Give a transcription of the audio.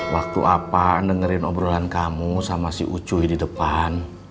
waktu apa dengerin obrolan kamu sama si ucuy di depan